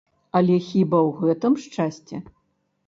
Але хіба ў гэтым шчасце?